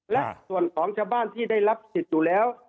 และส่วนของชาวบ้านที่ได้รับสิทธิ์อยู่แล้ว